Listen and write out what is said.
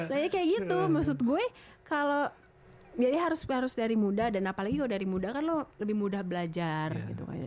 nah ya kayak gitu maksud gue kalau jadi harus dari muda dan apalagi dari muda kan lo lebih mudah belajar gitu kan ya